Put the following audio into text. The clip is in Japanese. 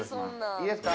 いいですか。